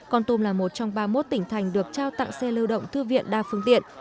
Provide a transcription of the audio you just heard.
con tum là một trong ba mươi một tỉnh thành được trao tặng xe lưu động thư viện đa phương tiện